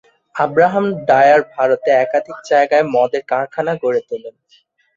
Abraham Dyer ভারতে একাধিক জায়গায় মদের কারখানা গড়ে তোলেন।